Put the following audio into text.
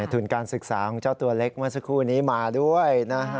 ทุนการศึกษาของเจ้าตัวเล็กเมื่อสักครู่นี้มาด้วย